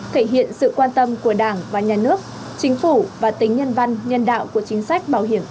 thể hiện sự quan tâm của đảng và nhà nước chính phủ và tính nhân văn nhân đạo của chính sách bảo hiểm